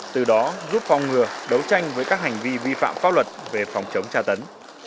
từ đó giúp phong ngừa đấu tranh với các hành vi vi phạm pháp luật về phòng chống tra tấn